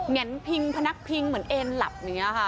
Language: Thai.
แนนพิงพนักพิงเหมือนเอ็นหลับอย่างนี้ค่ะ